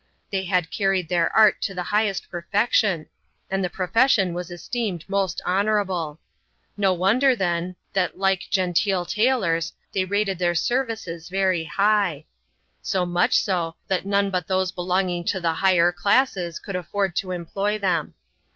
They had carried their art to the 3t x>6rfection, and the profession was esteemed most irable. No wonder, then, that like genteel tailors, they their services very high ; so much so, that none but those ring to the higher classes could afford to employ them.